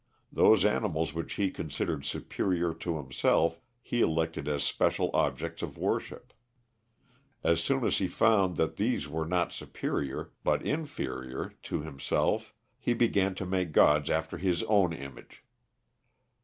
Those animals which he considered superior to himself he elected as special objects of worship. As soon as he found that these were not superior, but inferior, to himself, he began to make gods after his own image.